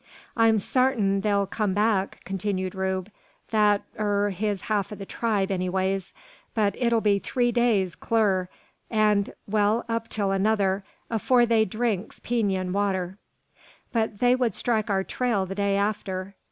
"I'm sartin they'll kum back," continued Rube; "that ur, his half o' the tribe, anyways; but it'll be three days clur, an' well up till another, afore they drinks Peenyun water." "But they would strike our trail the day after."